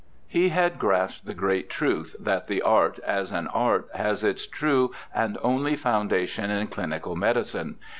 He had grasped the great truth that the art as an art has its true and only foundation in cHnical medicine.